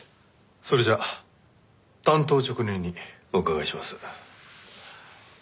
それじゃあ単刀直入にお伺いします。